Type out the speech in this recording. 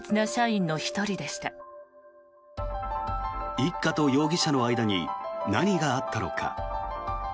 一家と容疑者の間に何があったのか。